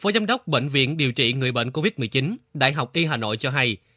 phó giám đốc bệnh viện điều trị người bệnh covid một mươi chín đại học y hà nội cho hay